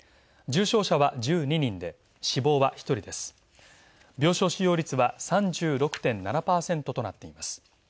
重症者は１２人で、病床使用率は３６．７％となっています。